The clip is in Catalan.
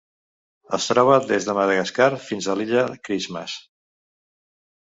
Es troba des de Madagascar fins a l'Illa Christmas.